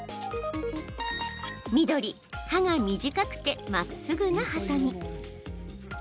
緑・刃が短くてまっすぐなハサミ。